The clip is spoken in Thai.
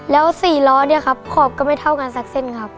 แล้ว๔ล้อเนี่ยครับขอบก็ไม่เท่ากันสักเส้นครับ